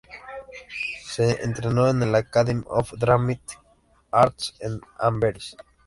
Se entrenó en el "Academy of Dramatic Arts" en Amberes.